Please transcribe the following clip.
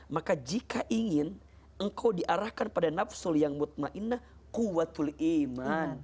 maka jika ingin engkau diarahkan pada nafsul yang mutmainna kuwatul iman